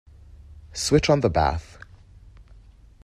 Switch on the bath.